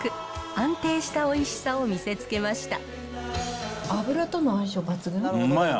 安定したおいしさを見せつけました。